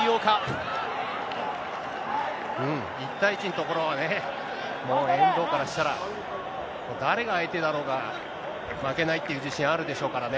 うん、１対１のところ、もう、遠藤からしたら、誰が相手だろうが負けないって自信あるでしょうからね。